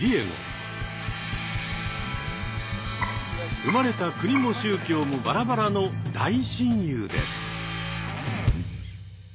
生まれた国も宗教もバラバラの大親友です。